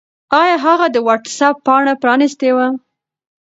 آیا هغه د وټس-اپ پاڼه پرانستې وه؟